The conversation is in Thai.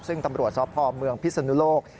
ซึ่งตำรวจสพเมืองพิศนุโลก